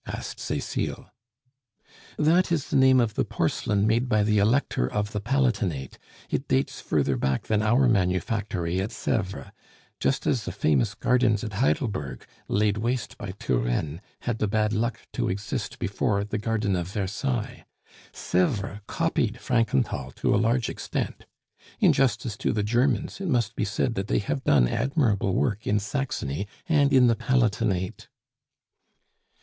asked Cecile. "That is the name of the porcelain made by the Elector of the Palatinate; it dates further back than our manufactory at Sevres; just as the famous gardens at Heidelberg, laid waste by Turenne, had the bad luck to exist before the garden of Versailles. Sevres copied Frankenthal to a large extent. In justice to the Germans, it must be said that they have done admirable work in Saxony and in the Palatinate."